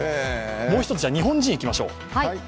もう一つ、じゃあ日本人いきましょう。